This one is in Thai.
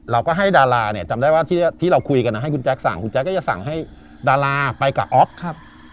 เราก็ให้ดาราเนี่ยจำได้ว่าที่เราคุยกันให้คุณแจ๊คสั่งคุณแจ๊กก็จะสั่งให้ดาราไปกับอ๊อฟครับ